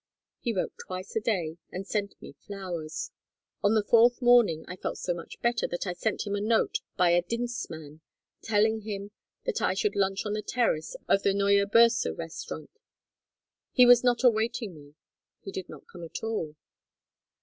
He wrote twice a day and sent me flowers. On the fourth morning I felt so much better that I sent him a note by a dinstmann telling him that I should lunch on the terrace of the Neue Bürse restaurant. He was not awaiting me; nor did he come at all.